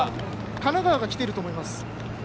神奈川がきていると思います。